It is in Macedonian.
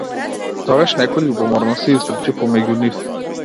Тогаш некој љубоморно се испречи помеѓу нив.